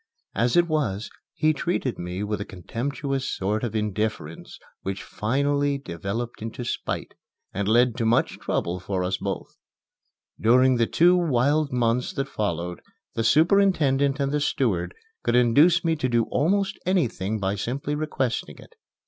As it was, he treated me with a contemptuous sort of indifference which finally developed into spite, and led to much trouble for us both. During the two wild months that followed, the superintendent and the steward could induce me to do almost anything by simply requesting it.